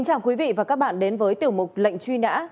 chào quý vị và các bạn đến với tiểu mục lệnh truy nã